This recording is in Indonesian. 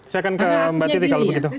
saya akan ke mbak titi kalau begitu